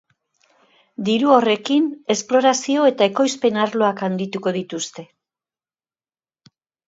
Diru horrekin, esplorazio eta ekoizpen arloak handituko dituzte.